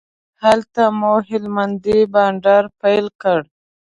هلته مو هلمندی بانډار پیل کړ.